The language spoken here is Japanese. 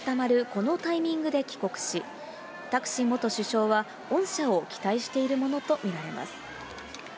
このタイミングで帰国し、タクシン元首相は恩赦を期待しているものと見られます。